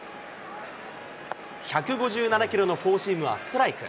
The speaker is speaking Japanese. １５７キロのフォーシームはストライク。